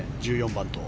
１４番と。